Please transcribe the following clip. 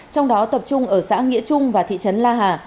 trong đó tập trung ở xã nghĩa trung và thị trấn la hà